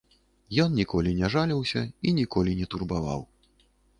Ён ніколі не жаліўся і ніколі не турбаваў.